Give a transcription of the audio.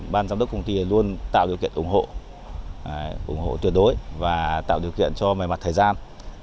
ban giám đốc công ty luôn tạo điều kiện ủng hộ ủng hộ tuyệt đối và tạo điều kiện cho mềm mặt thời gian